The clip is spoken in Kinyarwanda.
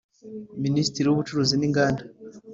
Minisitiri w ubucuruzi n inganda